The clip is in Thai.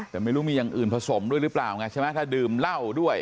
แต่ไม่รู้มีอย่างอื่นผสมด้วยหรือเปล่าไงใช่ไหมถ้าดื่มเหล้าด้วย